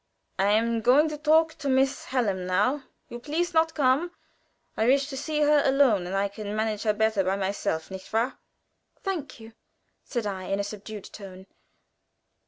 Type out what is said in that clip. "I am going to talk to Miss Hallam now. You please not come. I wish to see her alone; and I can manage her better by myself, nicht wahr!" "Thank you," said I in a subdued tone.